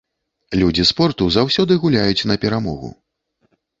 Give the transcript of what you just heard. Людзі спорту заўсёды гуляюць на перамогу.